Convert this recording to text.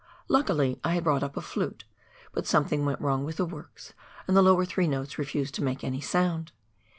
Luckily I had brought up a flute, but something went wrong with the works, and the lower three notes refused to make any sound